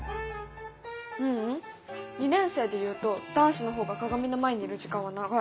ううん２年生で言うと男子の方が鏡の前にいる時間は長い。